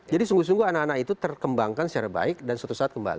jadi sungguh sungguh anak anak itu terkembangkan secara baik dan suatu saat kembali